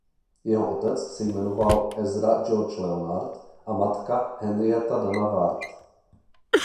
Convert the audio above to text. Jeho otec se jmenoval Ezra George Leonard a matka Henrietta Dana Ward.